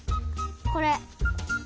これ。